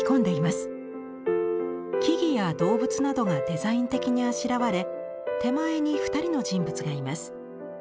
木々や動物などがデザイン的にあしらわれ手前に２人の人物がいます。